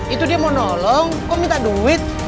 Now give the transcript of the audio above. itu dia mau nolong kok minta duit